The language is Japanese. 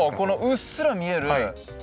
うっすら見える。